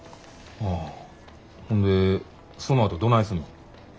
ああほんでそのあとどないすんの？